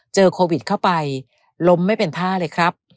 เจอโควิดเข้าไปล้มไม่เป็นท่าเลยครับ